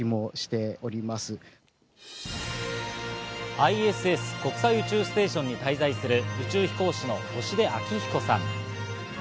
ＩＳＳ＝国際宇宙ステーションに滞在する、宇宙飛行士の星出彰彦さん。